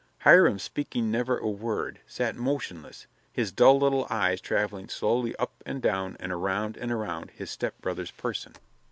Hiram, speaking never a word, sat motionless, his dull little eyes traveling slowly up and down and around and around his stepbrother's person.